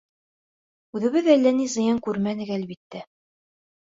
Үҙебеҙ әллә ни зыян күрмәнек, әлбиттә.